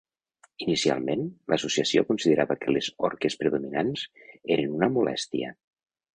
Inicialment, l'associació considerava que les orques predominants eren una molèstia.